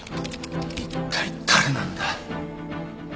一体誰なんだ。